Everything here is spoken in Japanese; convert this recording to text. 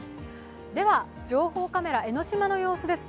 では、情報カメラ、江の島の様子です。